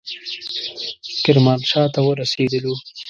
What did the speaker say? کرمانشاه ته ورسېدلو.